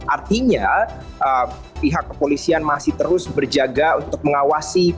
artinya pihak kepolisian masih terus berjaga untuk mengawasi